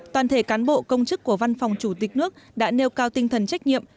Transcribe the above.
toàn thể cán bộ công chức của văn phòng chủ tịch nước đã nêu cao tinh thần trách nhiệm